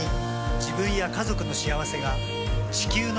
自分や家族の幸せが地球の幸せにつながっている。